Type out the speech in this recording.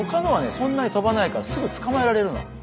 そんなにとばないからすぐつかまえられるの。